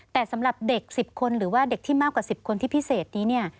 แต่สำหรับเด็ก๑๐คนหรือว่าเด็กที่มากกว่า๑๐คนที่พิเศษนี้เนี่ย